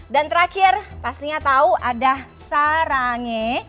dan terakhir pastinya tahu ada sarange